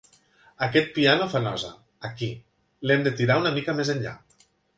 Aquest piano fa nosa, aquí: l'hem de tirar una mica més enllà.